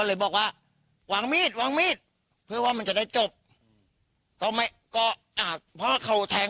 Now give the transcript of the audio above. เลยบอกว่าวางมีดวางมีดเพื่อว่ามันจะได้จบก็ไม่ก็อ่าพ่อเขาแทง